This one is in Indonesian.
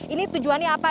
ini tujuannya apa